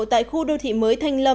tại khu đô thị mới thành lâm